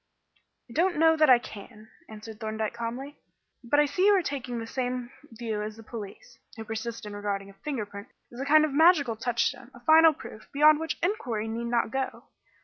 "I don't know that I can," answered Thorndyke calmly; "but I see you are taking the same view as the police, who persist in regarding a finger print as a kind of magical touchstone, a final proof, beyond which inquiry need not go.